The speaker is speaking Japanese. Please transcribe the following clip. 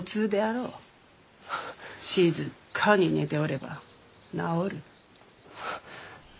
静かに寝ておれば治る。